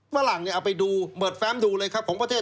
ฝรั่งเนี่ยเอาไปดูเปิดแฟมดูเลยครับ